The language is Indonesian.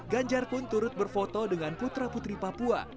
ganjar pun turut berfoto dengan putra putri papua